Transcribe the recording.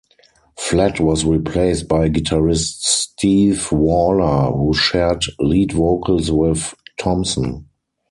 Flett was replaced by guitarist Steve Waller, who shared lead vocals with Thompson.